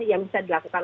yang bisa dilakukan